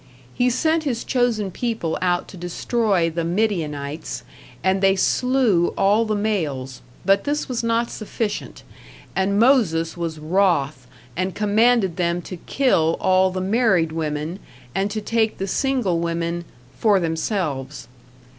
He sent his chosen people out to destroy the Midianites, and they slew all the males, but this was not sufficient, and Moses was wroth, and commanded them to kill all the married women, and to take the single women "for themselves".